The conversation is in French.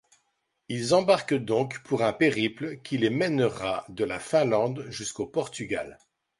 Ils embarquent donc pour un périple qui les mènera de la Finlande jusqu'au Portugal.